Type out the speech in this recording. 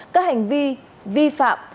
các hành vi vi phạm